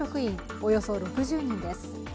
およそ６０人です。